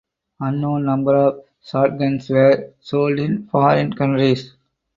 Unknown number of shotguns were sold in foreign countries.